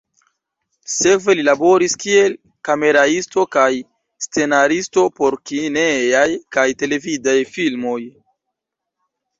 Sekve li laboris kiel kameraisto kaj scenaristo por kinejaj kaj televidaj filmoj.